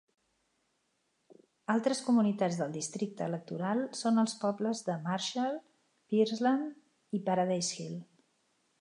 Altres comunitats del districte electoral són els pobles de Marshall, Pierceland i Paradise Hill.